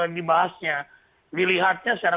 dibahasnya dilihatnya secara